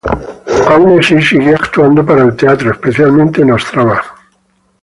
Aun así, siguió actuando para el teatro, especialmente en Ostrava.